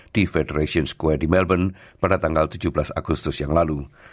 di federation square di melbourne pada tanggal tujuh belas agustus yang lalu